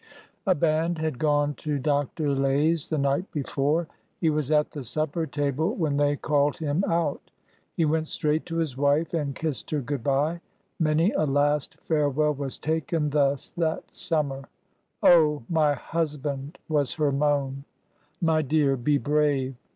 A band had gone to Dr. Lay's the night before. He was at the supper table when they called him out. He went straight to his wife and kissed her good by. Many a last farewell was taken thus that summer. '' Oh, my husband 1 " was her moan. My dear, be brave